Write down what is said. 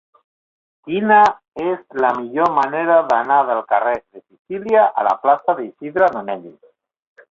Quina és la millor manera d'anar del carrer de Sicília a la plaça d'Isidre Nonell?